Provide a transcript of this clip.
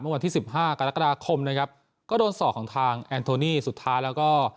เมื่อวันที่๑๕กรกฎาคมนะครับก็โดนส่อของทางแอนโทนี่สุดท้ายแล้วก็